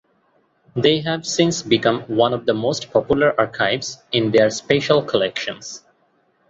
They have since become one of the most popular archives in their Special collections.